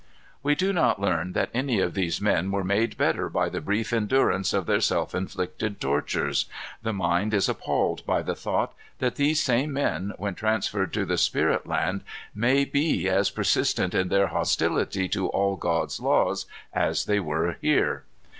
We do not learn that any of these men were made better by the brief endurance of their self inflicted tortures. The mind is appalled by the thought that these same men, when transferred to the spirit land, may be as persistent in their hostility to all God's laws as they were here.